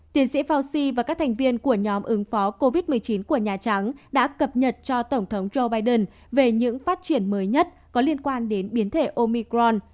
tiến sĩ fauci và các thành viên của nhóm ứng phó covid một mươi chín của nhà trắng đã cập nhật cho tổng thống joe biden về những phát triển mới nhất có liên quan đến biến thể omicron